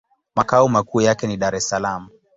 Makao makuu yake ni Dar-es-Salaam.